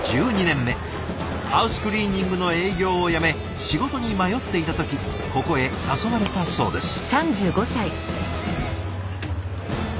ハウスクリーニングの営業を辞め仕事に迷っていた時ここへ誘われたそうです。